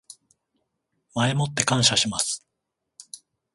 前もって感謝します